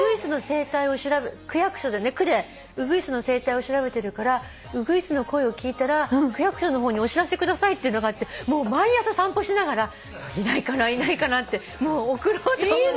区役所で区でウグイスの生態を調べてるからウグイスの声を聞いたら区役所の方にお知らせくださいっていうのがあってもう毎朝散歩しながらいないかないないかなってもう送ろうと思って。